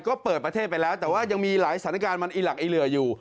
ก็เปิดประเทศไปแล้วแต่ว่ายังมีหลายสถานการณ์มันอีหลักอีเหลืออยู่